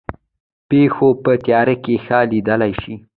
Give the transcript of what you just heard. پیشو په تیاره کې ښه لیدلی شي